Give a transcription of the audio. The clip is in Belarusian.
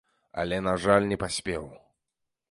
Але, на жаль, не паспеў.